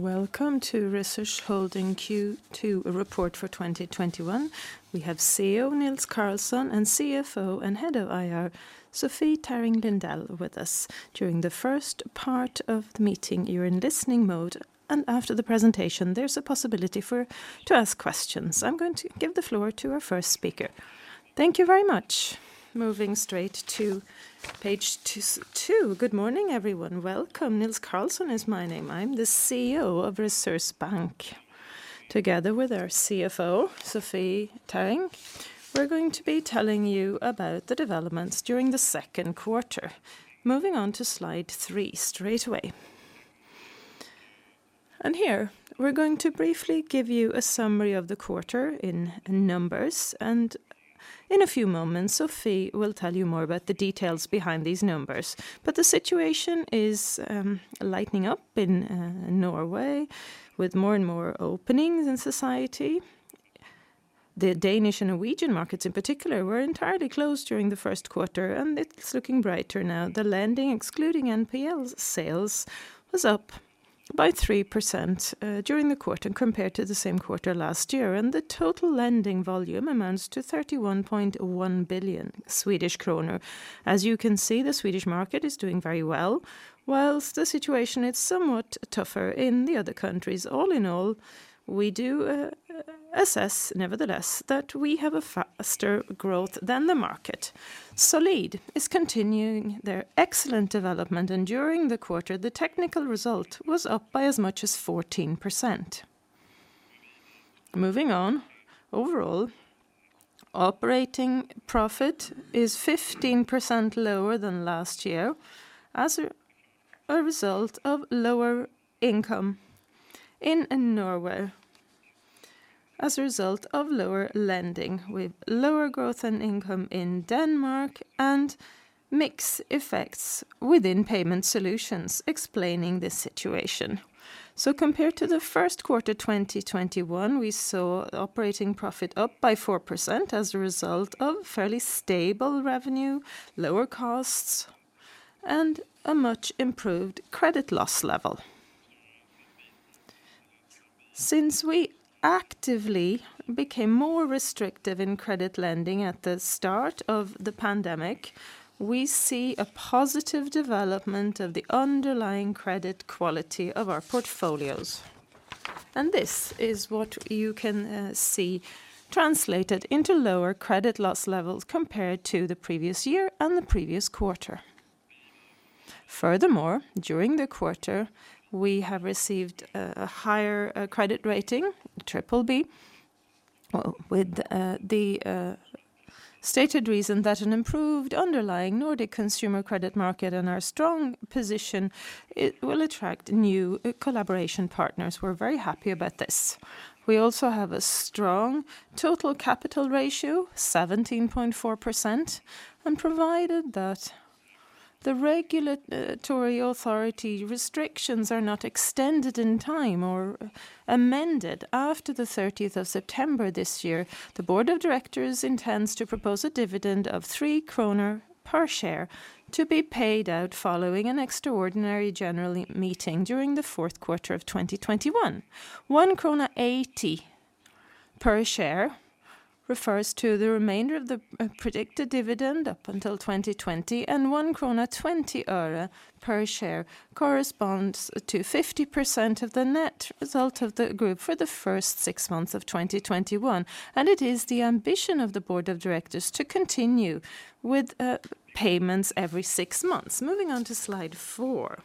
Welcome to Resurs Holding Q2 report for 2021. We have CEO Nils Carlsson and CFO and Head of IR, Sofie Tarring Lindell with us. During the first part of the meeting, you're in listening mode, and after the presentation, there's a possibility to ask questions. I'm going to give the floor to our first speaker. Thank you very much. Moving straight to page two. Good morning, everyone. Welcome. Nils Carlsson is my name. I'm the CEO of Resurs Bank. Together with our CFO, Sofie Tarring, we're going to be telling you about the developments during the Q2. Moving on to slide three straight away. Here we're going to briefly give you a summary of the quarter in numbers, and in a few moments, Sofie will tell you more about the details behind these numbers. The situation is lightening up in Norway with more and more openings in society. The Danish and Norwegian markets in particular were entirely closed during the Q1, and it's looking brighter now. The lending, excluding NPL sales, was up by 3% during the quarter compared to the same quarter last year, and the total lending volume amounts to 31.1 billion Swedish kronor. As you can see, the Swedish market is doing very well, whilst the situation is somewhat tougher in the other countries. All in all, we do assess, nevertheless, that we have a faster growth than the market. Solid is continuing their excellent development, and during the quarter, the technical result was up by as much as 14%. Moving on. Overall operating profit is 15% lower than last year as a result of lower income in Norway, as a result of lower lending with lower growth and income in Denmark and mixed effects within Payment Solutions explaining this situation. Compared to the Q1 2021, we saw operating profit up by 4% as a result of fairly stable revenue, lower costs, and a much improved credit loss level. Since we actively became more restrictive in credit lending at the start of the pandemic, we see a positive development of the underlying credit quality of our portfolios. This is what you can see translated into lower credit loss levels compared to the previous year and the previous quarter. Furthermore, during the quarter, we have received a higher credit rating, BBB, with the stated reason that an improved underlying Nordic consumer credit market and our strong position will attract new collaboration partners. We're very happy about this. We also have a strong total capital ratio, 17.4%, and provided that the regulatory authority restrictions are not extended in time or amended after September 30th this year, the board of directors intends to propose a dividend of 3 kronor per share to be paid out following an extraordinary general meeting during the Q4 of 2021. 1.80 krona per share refers to the remainder of the predicted dividend up until 2020, and SEK 1.20 per share corresponds to 50% of the net result of the group for the first six months of 2021, and it is the ambition of the board of directors to continue with payments every six months. Moving on to slide four.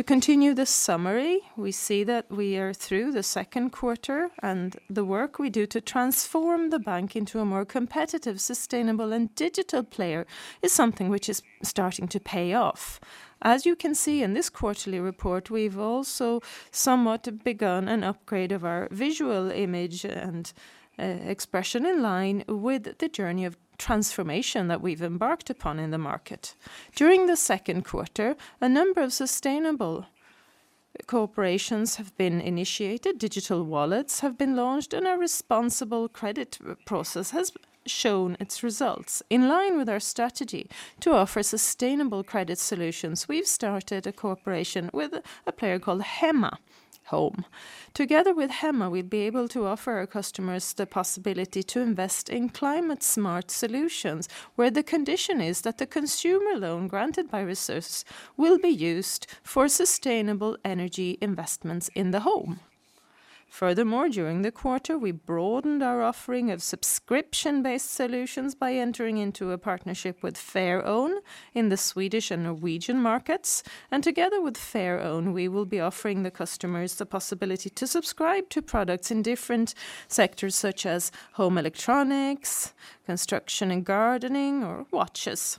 To continue the summary, we see that we are through the Q2, and the work we do to transform the bank into a more competitive, sustainable, and digital player is something which is starting to pay off. As you can see in this quarterly report, we've also somewhat begun an upgrade of our visual image and expression in line with the journey of transformation that we've embarked upon in the market. During the Q2, a number of sustainable corporations have been initiated, digital wallets have been launched, and a responsible credit process has shown its results. In line with our strategy to offer sustainable credit solutions, we've started a cooperation with a player called Hemma, home. Together with Hemma, we'll be able to offer our customers the possibility to invest in climate smart solutions, where the condition is that the consumer loan granted by Resurs will be used for sustainable energy investments in the home. Furthermore, during the quarter, we broadened our offering of subscription-based solutions by entering into a partnership with Fairown in the Swedish and Norwegian markets, and together with Fairown, we will be offering the customers the possibility to subscribe to products in different sectors such as home electronics, construction and gardening, or watches.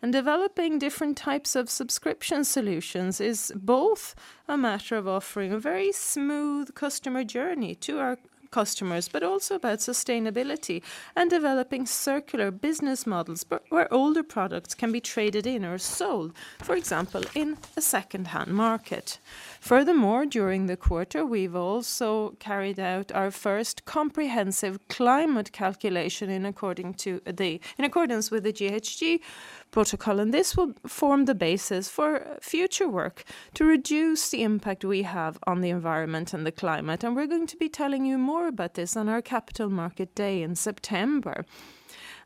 Developing different types of subscription solutions is both a matter of offering a very smooth customer journey to our customers, but also about sustainability and developing circular business models where older products can be traded in or sold, for example, in a secondhand market. Furthermore, during the quarter, we've also carried out our first comprehensive climate calculation in accordance with the GHG Protocol, and this will form the basis for future work to reduce the impact we have on the environment and the climate. We're going to be telling you more about this on our capital market day in September.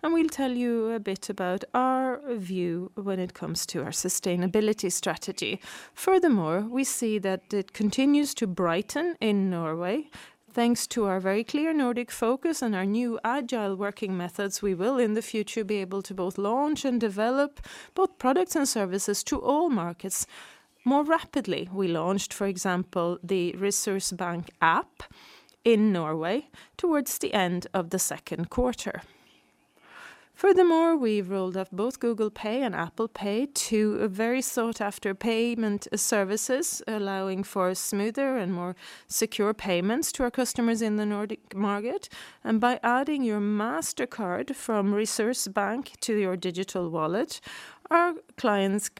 We'll tell you a bit about our view when it comes to our sustainability strategy. Furthermore, we see that it continues to brighten in Norway. Thanks to our very clear Nordic focus and our new agile working methods, we will, in the future, be able to both launch and develop both products and services to all markets more rapidly. We launched, for example, the Resurs Bank app in Norway towards the end of the Q2. Furthermore, we've rolled out both Google Pay and Apple Pay to very sought-after payment services, allowing for smoother and more secure payments to our customers in the Nordic market. By adding your Mastercard from Resurs Bank to your digital wallet, our clients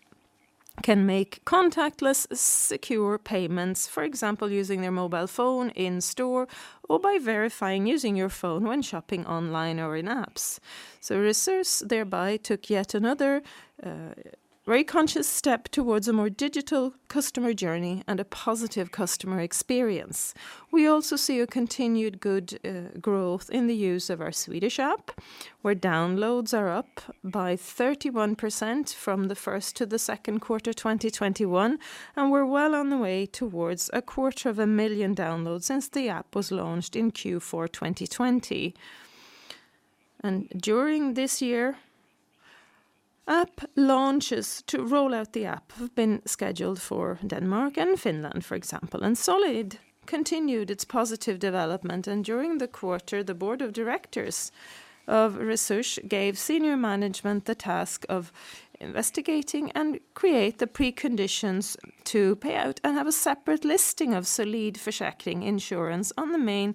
can make contactless, secure payments. For example, using their mobile phone in store, or by verifying using your phone when shopping online or in apps. Resurs thereby took yet another very conscious step towards a more digital customer journey and a positive customer experience. We also see a continued good growth in the use of our Swedish app, where downloads are up by 31% from the first to the Q2 2021. We're well on the way towards a quarter of a million downloads since the app was launched in Q4 2020. During this year, app launches to roll out the app have been scheduled for Denmark and Finland, for example. Solid continued its positive development. During the quarter, the board of directors of Resurs gave senior management the task of investigating and create the preconditions to pay out and have a separate listing of Solid Försäkring on the main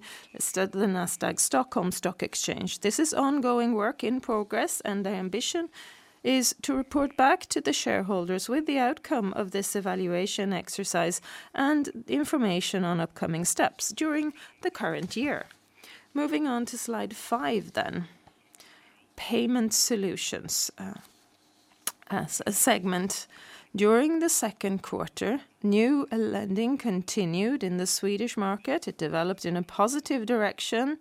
Nasdaq Stockholm stock exchange. This is ongoing work in progress. The ambition is to report back to the shareholders with the outcome of this evaluation exercise and information on upcoming steps during the current year. Moving on to slide five then. Payment Solutions as a segment. During the Q2, new lending continued in the Swedish market. It developed in a positive direction.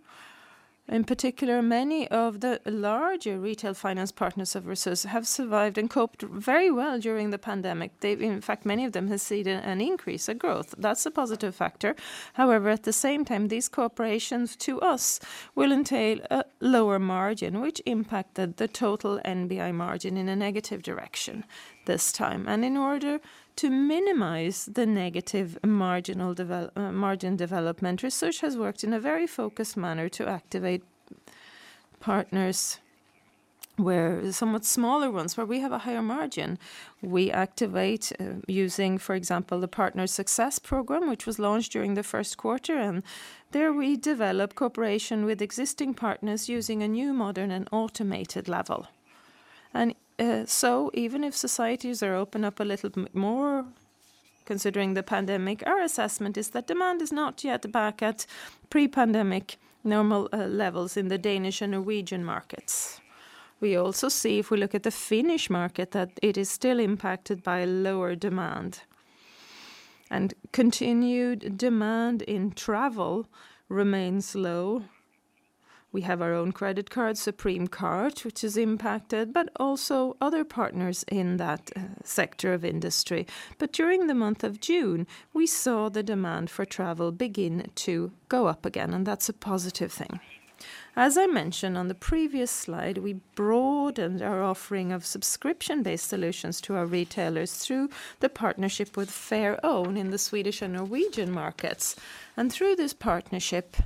In particular, many of the larger retail finance partners of Resurs have survived and coped very well during the pandemic. In fact, many of them have seen an increase, a growth. That's a positive factor. However, at the same time, these corporations to us will entail a lower margin, which impacted the total NBI margin in a negative direction this time. In order to minimize the negative margin development, Resurs has worked in a very focused manner to activate partners where somewhat smaller ones, where we have a higher margin. We activate using, for example, the Partner Success Program, which was launched during the Q1. There we develop cooperation with existing partners using a new modern and automated level. Even if societies are open up a little more considering the pandemic, our assessment is that demand is not yet back at pre-pandemic normal levels in the Danish and Norwegian markets. We also see if we look at the Finnish market, that it is still impacted by lower demand. Continued demand in travel remains low. We have our own credit card, Supreme Card, which is impacted, but also other partners in that sector of industry. During the month of June, we saw the demand for travel begin to go up again, and that's a positive thing. As I mentioned on the previous slide, we broadened our offering of subscription-based solutions to our retailers through the partnership with Fairown in the Swedish and Norwegian markets. Through this partnership,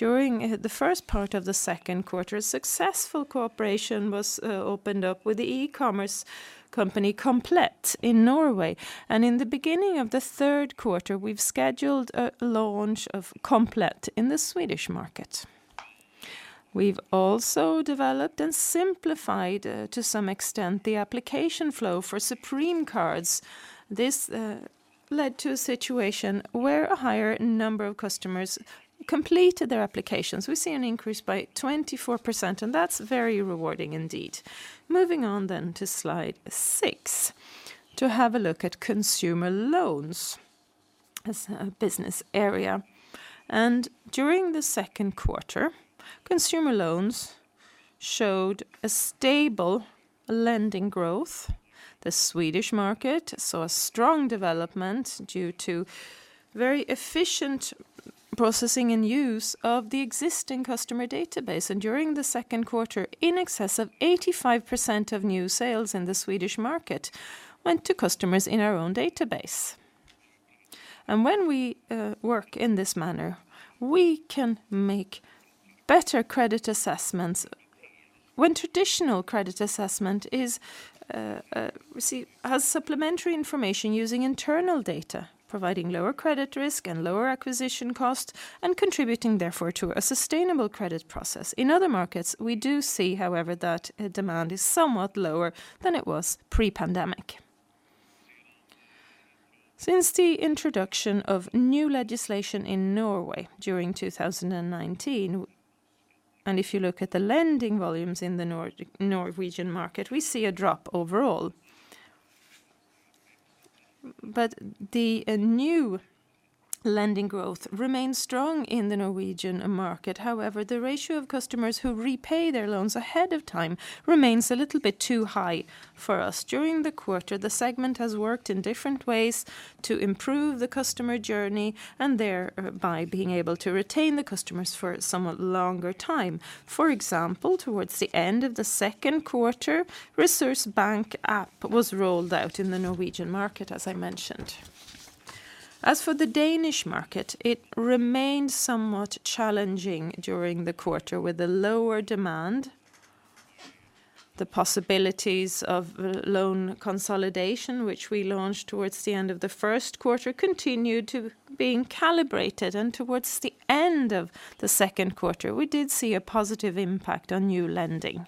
during the first part of the Q2, successful cooperation was opened up with the e-commerce company, Komplett, in Norway. In the beginning of the Q3, we've scheduled a launch of Komplett in the Swedish market. We've also developed and simplified, to some extent, the application flow for Supreme Card. This led to a situation where a higher number of customers completed their applications. We see an increase by 24%, and that's very rewarding indeed. Moving on then to slide six, to have a look at consumer loans as a business area. During the Q2, consumer loans showed a stable lending growth. The Swedish market saw a strong development due to very efficient processing and use of the existing customer database. During the Q2, in excess of 85% of new sales in the Swedish market went to customers in our own database. When we work in this manner, we can make better credit assessments when traditional credit assessment has supplementary information using internal data, providing lower credit risk and lower acquisition cost, and contributing therefore to a sustainable credit process. In other markets, we do see, however, that demand is somewhat lower than it was pre-pandemic. Since the introduction of new legislation in Norway during 2019, if you look at the lending volumes in the Norwegian market, we see a drop overall. The new lending growth remains strong in the Norwegian market. However, the ratio of customers who repay their loans ahead of time remains a little bit too high for us. During the quarter, the segment has worked in different ways to improve the customer journey, and thereby being able to retain the customers for a somewhat longer time. For example, towards the end of the Q2, Resurs Bank app was rolled out in the Norwegian market, as I mentioned. As for the Danish market, it remained somewhat challenging during the quarter, with a lower demand. The possibilities of loan consolidation, which we launched towards the end of the Q1, continued to being calibrated, and towards the end of the Q2, we did see a positive impact on new lending.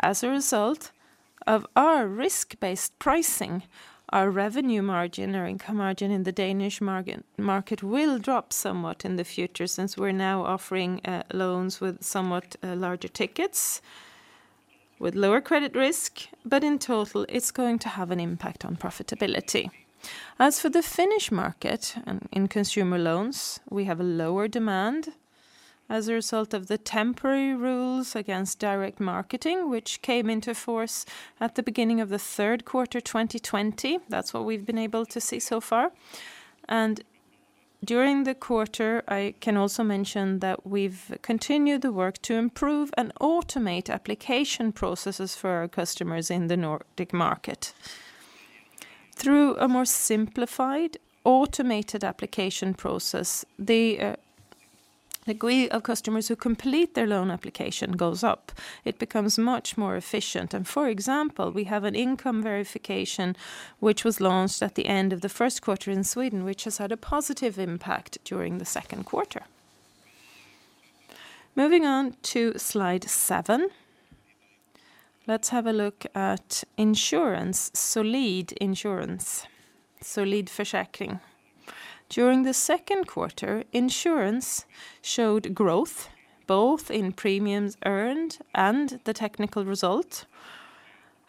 As a result of our risk-based pricing, our revenue margin or income margin in the Danish market will drop somewhat in the future since we're now offering loans with somewhat larger tickets with lower credit risk, but in total, it's going to have an impact on profitability. As for the Finnish market, in consumer loans, we have a lower demand as a result of the temporary rules against direct marketing, which came into force at the beginning of the Q3 2020. That's what we've been able to see so far. During the quarter, I can also mention that we've continued the work to improve and automate application processes for our customers in the Nordic market. Through a more simplified, automated application process, the customers who complete their loan application goes up. It becomes much more efficient. For example, we have an income verification which was launched at the end of the Q1 in Sweden, which has had a positive impact during the Q2. Moving on to slide seven, let's have a look at insurance, Solid insurance. Solid Försäkring. During the Q2, insurance showed growth both in premiums earned and the technical result,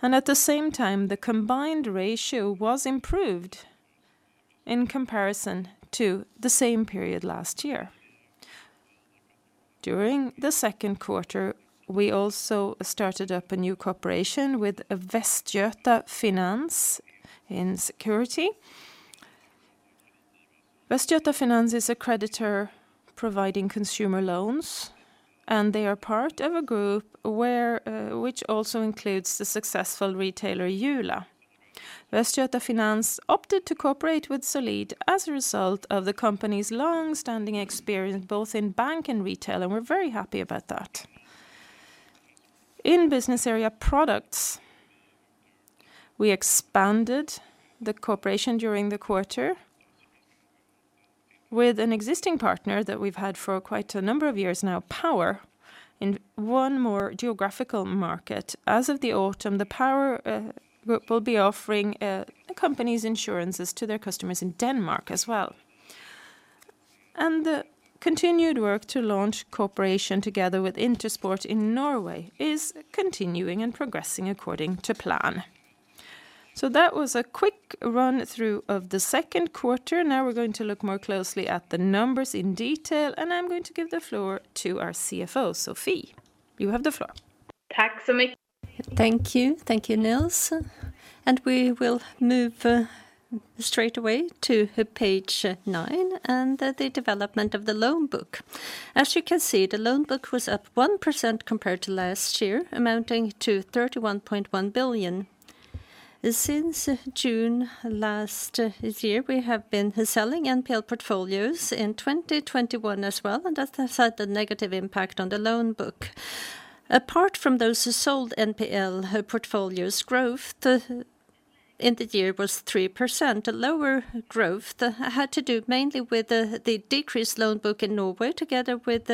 and at the same time, the combined ratio was improved in comparison to the same period last year. During the Q2, we also started up a new cooperation with Wästgöta Finans in security. Wästgöta Finans is a creditor providing consumer loans, and they are part of a group which also includes the successful retailer Jula. Wästgöta Finans opted to cooperate with Solid as a result of the company's long standing experience, both in bank and retail, and we're very happy about that. In business area products, we expanded the cooperation during the quarter with an existing partner that we've had for quite a number of years now, POWER, in one more geographical market. As of the autumn, the POWER group will be offering company's insurances to their customers in Denmark as well. The continued work to launch cooperation together with INTERSPORT in Norway is continuing and progressing according to plan. That was a quick run-through of the Q2. Now we're going to look more closely at the numbers in detail, and I'm going to give the floor to our CFO. Sofie, you have the floor. Thank you. Thank you, Nils. We will move straight away to page nine and the development of the loan book. As you can see, the loan book was up 1% compared to last year, amounting to 31.1 billion. Since June last year, we have been selling NPL portfolios in 2021 as well, and that has had a negative impact on the loan book. Apart from those who sold NPL portfolios, growth in the year was 3%. A lower growth had to do mainly with the decreased loan book in Norway, together with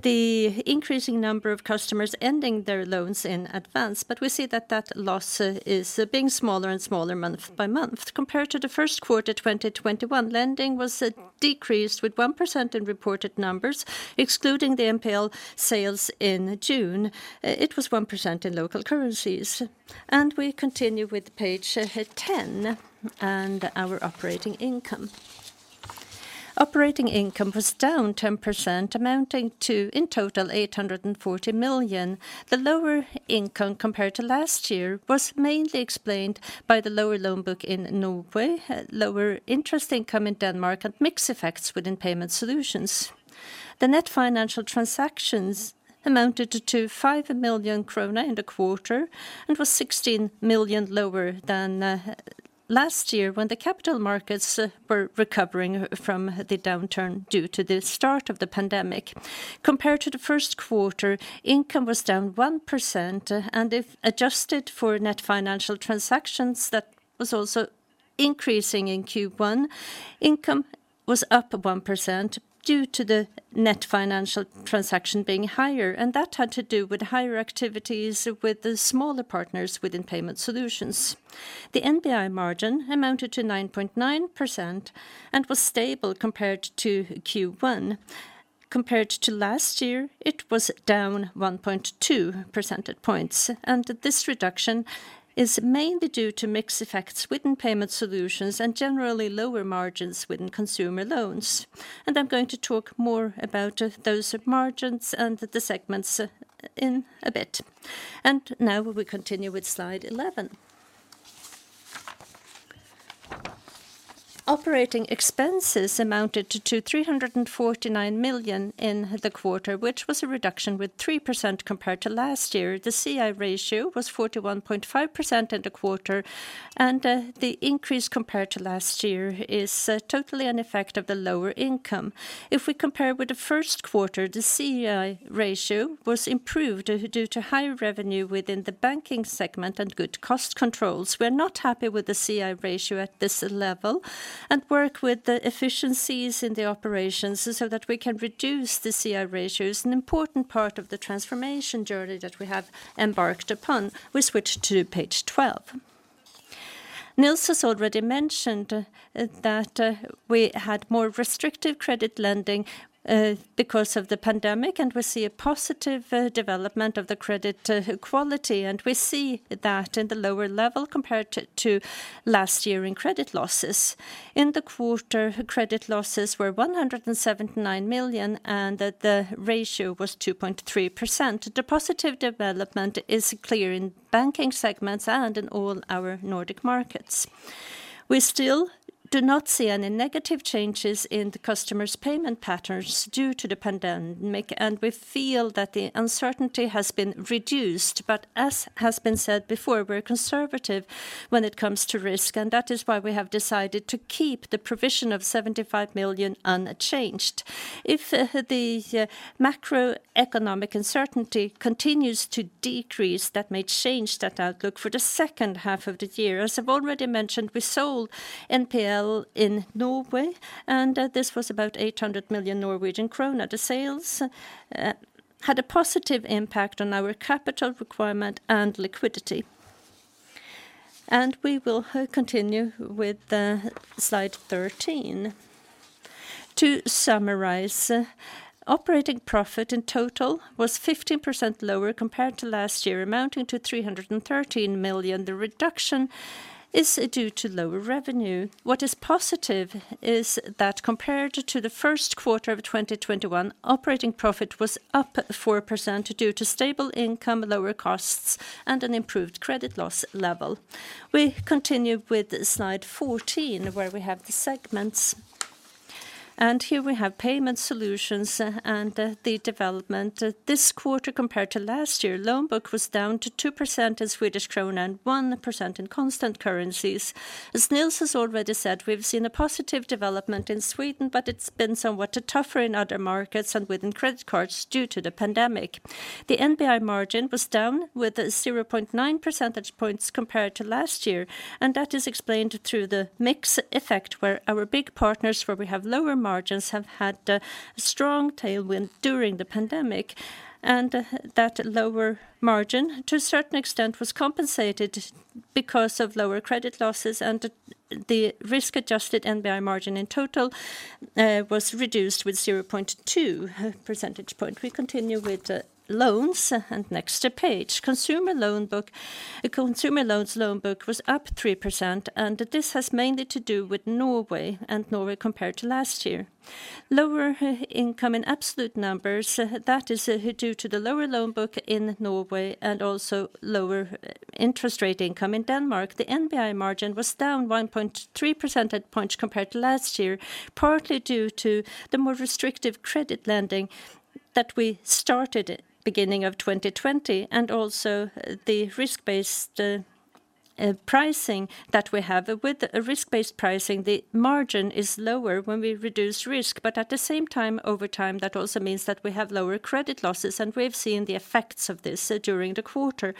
the increasing number of customers ending their loans in advance. We see that that loss is being smaller and smaller month by month. Compared to the Q1 2021, lending was decreased with 1% in reported numbers, excluding the NPL sales in June. It was 1% in local currencies. We continue with page 10 and our operating income. Operating income was down 10%, amounting to, in total, 840 million. The lower income compared to last year was mainly explained by the lower loan book in Norway, lower interest income in Denmark, and mix effects within Payment Solutions. The net financial transactions amounted to 5 million krona in the quarter and was 16 million lower than last year when the capital markets were recovering from the downturn due to the start of the pandemic. Compared to the Q1, income was down 1%, and if adjusted for net financial transactions, that was also increasing in Q1. Income was up 1% due to the net financial transaction being higher, and that had to do with higher activities with the smaller partners within Payment Solutions. The NBI margin amounted to 9.9% and was stable compared to Q1. Compared to last year, it was down 1.2 percentage points. This reduction is mainly due to mix effects within Payment Solutions and generally lower margins within consumer loans. I'm going to talk more about those margins and the segments in a bit. Now we will continue with slide 11. Operating expenses amounted to 349 million in the quarter, which was a reduction with 3% compared to last year. The C/I ratio was 41.5% in the quarter, the increase compared to last year is totally an effect of the lower income. If we compare with the Q1, the C/I ratio was improved due to higher revenue within the banking segment and good cost controls. We're not happy with the C/I ratio at this level and work with the efficiencies in the operations so that we can reduce the C/I ratio is an important part of the transformation journey that we have embarked upon. We switch to page 12. Nils has already mentioned that we had more restrictive credit lending because of the pandemic, and we see a positive development of the credit quality, and we see that in the lower level compared to last year in credit losses. In the quarter, credit losses were 179 million, and the ratio was 2.3%. The positive development is clear in banking segments and in all our Nordic markets. We still do not see any negative changes in the customers' payment patterns due to the pandemic, and we feel that the uncertainty has been reduced. As has been said before, we're conservative when it comes to risk, and that is why we have decided to keep the provision of 75 million unchanged. If the macroeconomic uncertainty continues to decrease, that may change that outlook for the H2 of the year. As I've already mentioned, we sold NPL in Norway, and this was about 800 million Norwegian krone. The sales had a positive impact on our capital requirement and liquidity. We will continue with slide 13. To summarize, operating profit in total was 15% lower compared to last year, amounting to 313 million. The reduction is due to lower revenue. What is positive is that compared to the Q1 of 2021, operating profit was up 4% due to stable income, lower costs, and an improved credit loss level. We continue with slide 14 where we have the segments. Here we have Payment Solutions and the development this quarter compared to last year. Loan book was down to 2% in Swedish krona and 1% in constant currencies. As Nils has already said, we've seen a positive development in Sweden, but it's been somewhat tougher in other markets and within credit cards due to the pandemic. The NBI margin was down with 0.9 percentage points compared to last year, and that is explained through the mix effect where our big partners, where we have lower margins, have had a strong tailwind during the pandemic, and that lower margin to a certain extent was compensated because of lower credit losses and the risk-adjusted NBI margin in total was reduced with 0.2 percentage point. We continue with loans and next page. Consumer loans loan book was up 3%, and this has mainly to do with Norway and Norway compared to last year. Lower income in absolute numbers, that is due to the lower loan book in Norway and also lower interest rate income in Denmark. The NBI margin was down 1.3 percentage points compared to last year, partly due to the more restrictive credit lending that we started beginning of 2020 and also the risk-based pricing that we have. With risk-based pricing, the margin is lower when we reduce risk, but at the same time, over time, that also means that we have lower credit losses, and we've seen the effects of this during the quarter.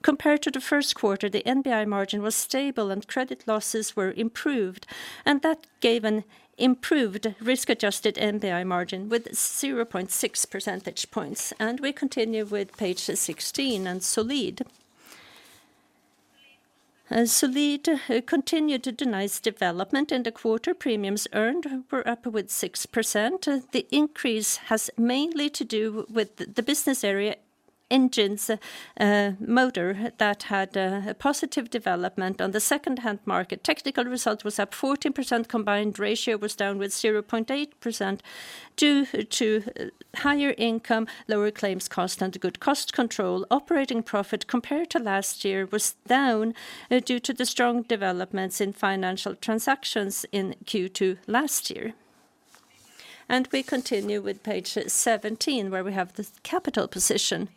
Compared to the Q1, the NBI margin was stable and credit losses were improved, and that gave an improved risk-adjusted NBI margin with 0.6 percentage points. We continue with page 16 on Solid. Solid continued a nice development in the quarter. Premiums earned were up with 6%. The increase has mainly to do with the business area Engine & Motor that had a positive development on the secondhand market. Technical result was up 14%. combined ratio was down with 0.8% due to higher income, lower claims cost, and good cost control. Operating profit compared to last year was down due to the strong developments in financial transactions in Q2 last year. We continue with page 17 where we have the capital position.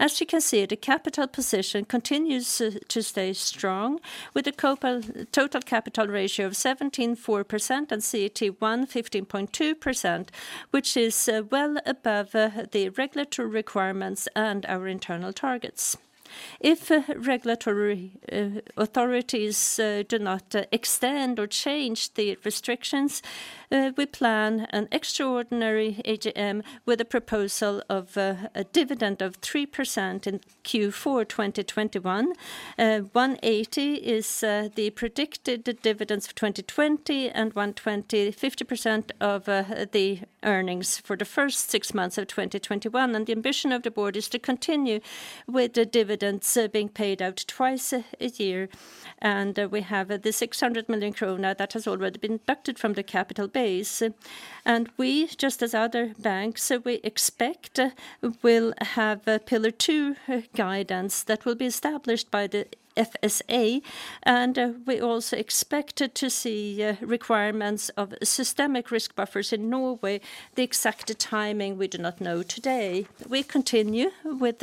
As you can see, the capital position continues to stay strong with a total capital ratio of 17.4% and CET1 15.2%, which is well above the regulatory requirements and our internal targets. If regulatory authorities do not extend or change the restrictions, we plan an extraordinary AGM with a proposal of a dividend of 3% in Q4 2021. 1.80 is the predicted dividends for 2020 and 1.20, 50% of the earnings for the first six months of 2021. The ambition of the board is to continue with the dividends being paid out twice a year. We have the 600 million krona that has already been deducted from the capital base. We, just as other banks, we expect will have Pillar 2 guidance that will be established by the FSA and we also expected to see requirements of systemic risk buffers in Norway. The exact timing we do not know today. We continue with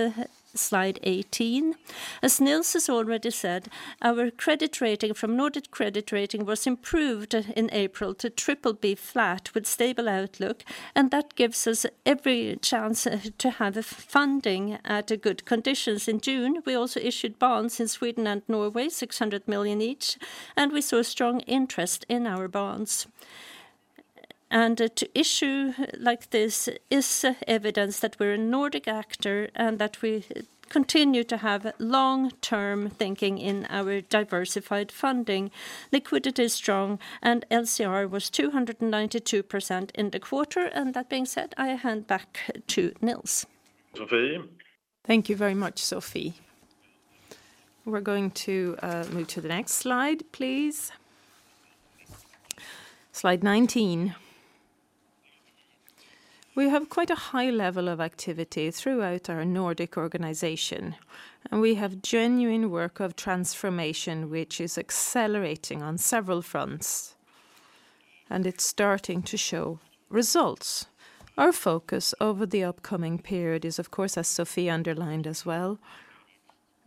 slide 18. As Nils has already said, our credit rating from Nordic Credit Rating was improved in April to BBB flat with stable outlook, and that gives us every chance to have funding at good conditions in June. We also issued bonds in Sweden and Norway, 600 million each, and we saw strong interest in our bonds. To issue like this is evidence that we're a Nordic actor and that we continue to have long-term thinking in our diversified funding. Liquidity is strong, and LCR was 292% in the quarter. That being said, I hand back to Nils. Sofie. Thank you very much, Sofie. We're going to move to the next slide, please. Slide 19. We have quite a high level of activity throughout our Nordic organization, and we have genuine work of transformation, which is accelerating on several fronts, and it's starting to show results. Our focus over the upcoming period is of course, as Sofie underlined as well,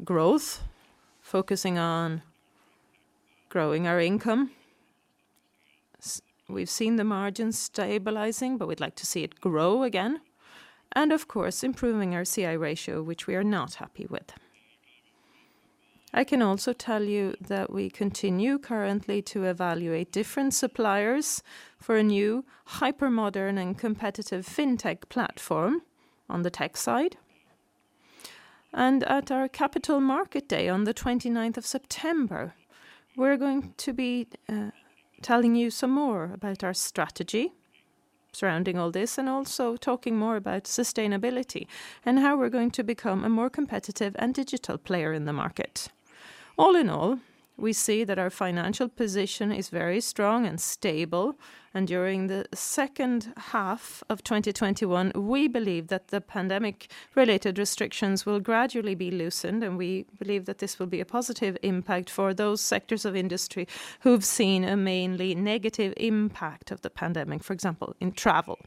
growth, focusing on growing our income. We've seen the margins stabilizing, but we'd like to see it grow again. Of course, improving our C/I ratio, which we are not happy with. I can also tell you that we continue currently to evaluate different suppliers for a new hyper-modern and competitive fintech platform on the tech side. At our Capital Market Day on September 29th, we're going to be telling you some more about our strategy surrounding all this and also talking more about sustainability and how we're going to become a more competitive and digital player in the market. All in all, we see that our financial position is very strong and stable. During the H2 of 2021, we believe that the pandemic-related restrictions will gradually be loosened, and we believe that this will be a positive impact for those sectors of industry who've seen a mainly negative impact of the pandemic, for example, in travel.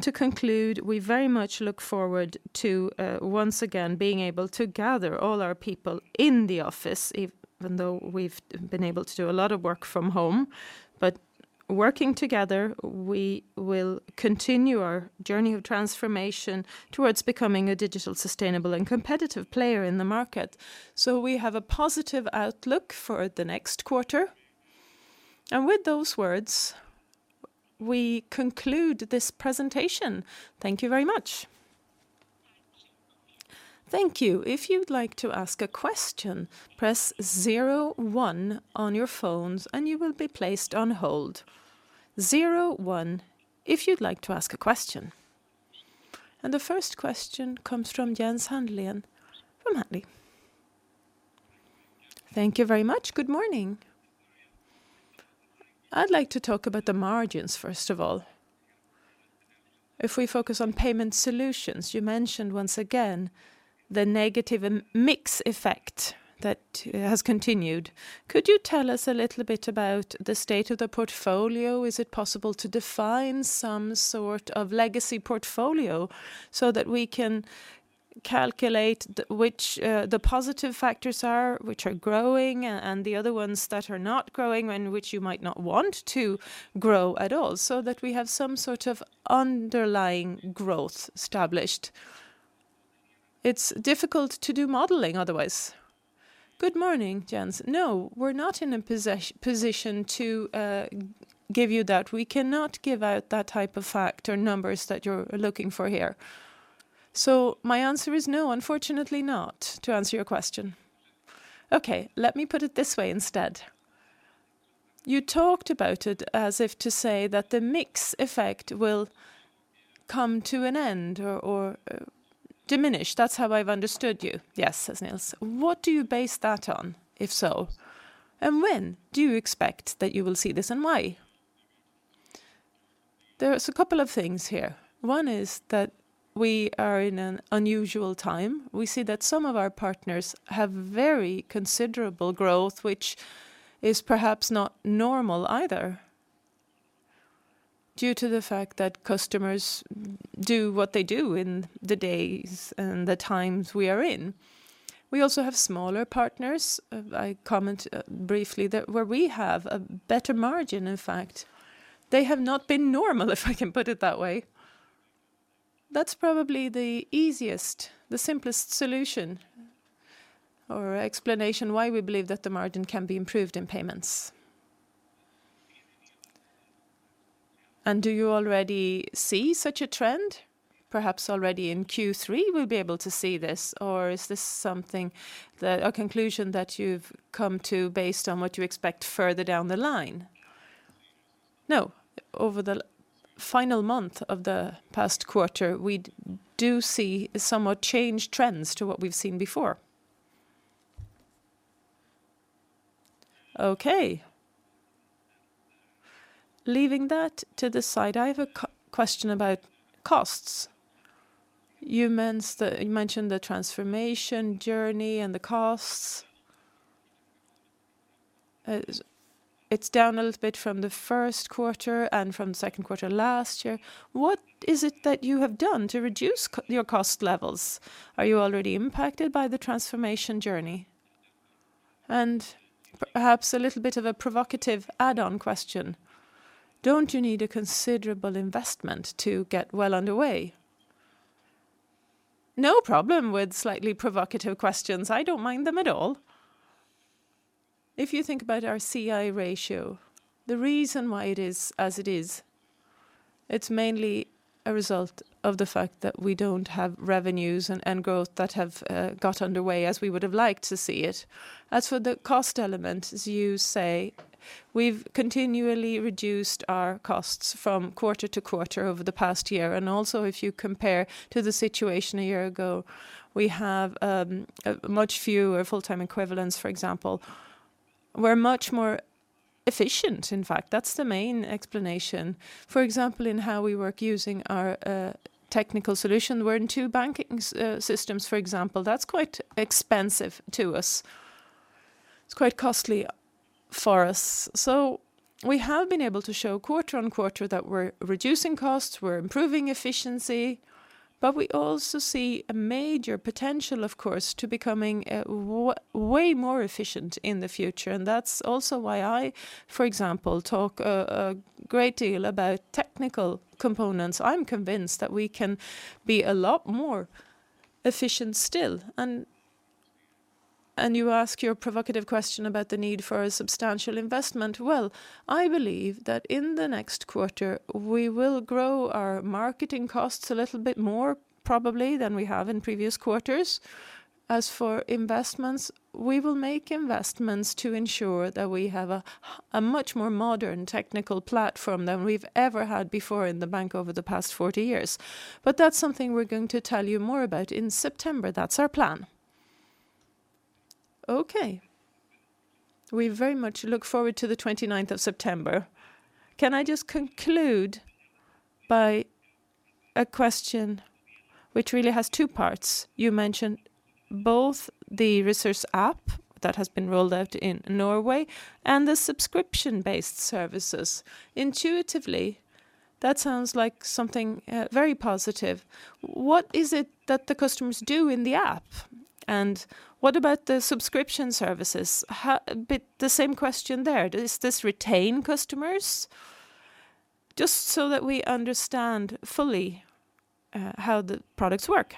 To conclude, we very much look forward to, once again, being able to gather all our people in the office, even though we've been able to do a lot of work from home. Working together, we will continue our journey of transformation towards becoming a digital, sustainable and competitive player in the market. We have a positive outlook for the next quarter. With those words, we conclude this presentation. Thank you very much. Thank you. if your would like to ask a question press zero one on your phones and you will be placed on hold, zero one if you would like to ask a question. The first question comes from Jens Hallén from Carnegie. Thank you very much. Good morning. I'd like to talk about the margins first of all. If we focus on payment solutions, you mentioned, once again, the negative mix effect that has continued. Could you tell us a little bit about the state of the portfolio? Is it possible to define some sort of legacy portfolio, so that we can calculate which positive factors are, which are growing and which you might not want to grow at all, so that we have some sort of underlying growth established? It's difficult to do modeling otherwise. Good morning And no, we're not in a position to give you that. We cannot give that type of factor numbers that you're looking for here. So my answer is no, unfortunately no, to answer your question. Okay, let me put it this way, then. You talked about it as if you say that the mix effect will come to an end or diminish, that's how I've understood you. Yes, if you will what do you base that on, if so, and when do you expect that you will see this and why? There's a couple of things here. One is that we are in an unusual time. We see that some of our partners have very considerable growth, which is perhaps not normal either due to the fact that customers do what they do in the days and the times we are in. We also have smaller partners, I comment briefly, that where we have a better margin, in fact. They have not been normal, if I can put it that way. That's probably the easiest, the simplest solution or explanation why we believe that the margin can be improved in payments. Do you already see such a trend? Perhaps already in Q3 we'll be able to see this, or is this a conclusion that you've come to based on what you expect further down the line? No. Over the final month of the past quarter, we do see somewhat changed trends to what we've seen before. Okay. Leaving that to the side, I have a question about costs. You mentioned the transformation journey and the costs. It's down a little bit from the Q1 and from the Q2 last year. What is it that you have done to reduce your cost levels? Are you already impacted by the transformation journey? Perhaps a little bit of a provocative add-on question, don't you need a considerable investment to get well underway? No problem with slightly provocative questions. I don't mind them at all. If you think about our C/I ratio, the reason why it is as it is, it's mainly a result of the fact that we don't have revenues and growth that have got underway as we would have liked to see it. As for the cost element, as you say, we've continually reduced our costs from quarter to quarter over the past year. If you compare to the situation a year ago, we have much fewer full-time equivalents, for example. We're much more efficient, in fact. That's the main explanation. For example, in how we work using our technical solution. We're in two banking systems, for example. That's quite expensive to us. It's quite costly for us. We have been able to show quarter on quarter that we're reducing costs, we're improving efficiency, but we also see a major potential, of course, to becoming way more efficient in the future. That's also why I, for example, talk a great deal about technical components. I'm convinced that we can be a lot more efficient still. You ask your provocative question about the need for a substantial investment. I believe that in the next quarter, we will grow our marketing costs a little bit more probably than we have in previous quarters. As for investments, we will make investments to ensure that we have a much more modern technical platform than we've ever had before in the bank over the past 40 years. That's something we're going to tell you more about in September. That's our plan. Okay. We very much look forward to September 29th. I just conclude by a question which really has two parts? You mentioned both the Resurs app that has been rolled out in Norway and the subscription-based services. Intuitively, that sounds like something very positive. What is it that the customers do in the app, and what about the subscription services? A bit the same question there. Does this retain customers? Just so that we understand fully how the products work.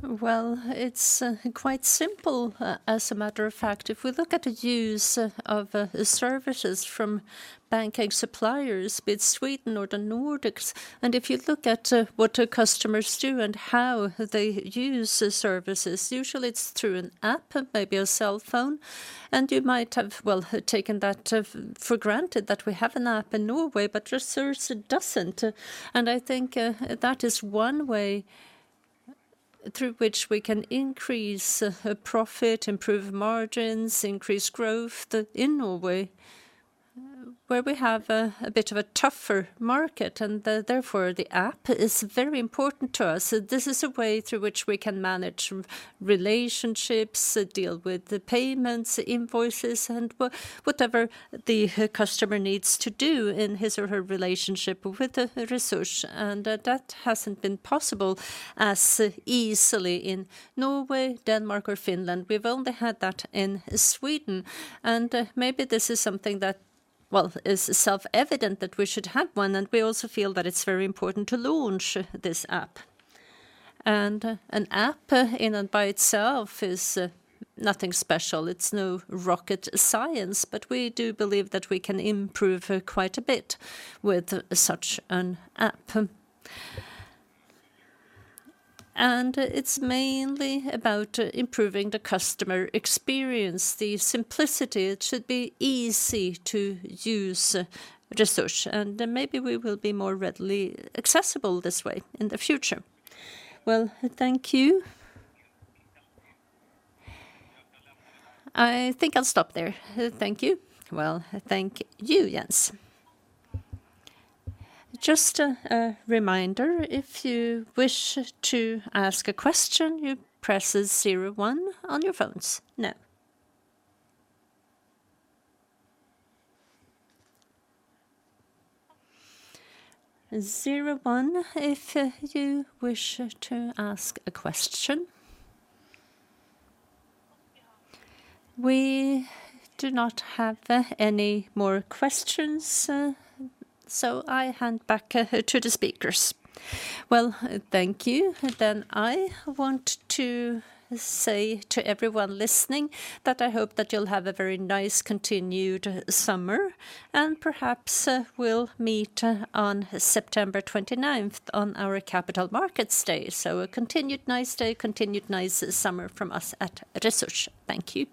Well, it's quite simple, as a matter of fact. If we look at the use of services from banking suppliers, be it Sweden or the Nordics, if you look at what customers do and how they use the services, usually it's through an app, maybe a cell phone. You might have well taken that for granted that we have an app in Norway, but Resurs doesn't. I think that is one way through which we can increase profit, improve margins, increase growth in Norway, where we have a bit of a tougher market, and therefore the app is very important to us. This is a way through which we can manage relationships, deal with the payments, invoices, and whatever the customer needs to do in his or her relationship with Resurs. That hasn't been possible as easily in Norway, Denmark, or Finland. We've only had that in Sweden. Maybe this is something that is self-evident that we should have one, and we also feel that it's very important to launch this app. An app in and by itself is nothing special. It's no rocket science, but we do believe that we can improve quite a bit with such an app. It's mainly about improving the customer experience, the simplicity. It should be easy to use Resurs, and maybe we will be more readily accessible this way in the future. Well, thank you. I think I'll stop there. Thank you. Well, thank you, Jens. Just a reminder, if you wish to ask a question, you press zero one on your phones now. Zero one if you wish to ask a question. We do not have any more questions, so I hand back to the speakers. Well, thank you. I want to say to everyone listening that I hope that you'll have a very nice continued summer, and perhaps we'll meet on September 29th on our Capital Markets Day. A continued nice day, continued nice summer from us at Resurs. Thank you.